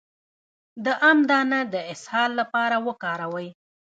د ام دانه د اسهال لپاره وکاروئ